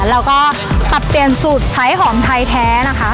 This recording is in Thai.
พี่ก็ตัดสับเสียงสุวทธิศไข่หอมไทยแท้นะคะ